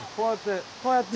こうやって。